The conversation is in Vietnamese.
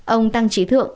ông tăng trí thượng